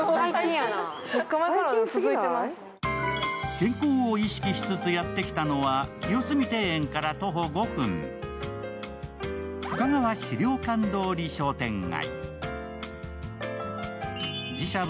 健康を意識しつつやって来たのは清澄庭園から徒歩５分、深川資料館通り商店街。